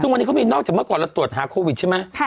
ซึ่งเมื่อก่อนเราตรวจหาโควิดใช่ไหม